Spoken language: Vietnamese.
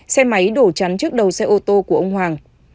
xe máy đổ chắn trước đầu xe ô tô của ông hoàng